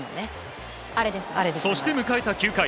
そして迎えた９回。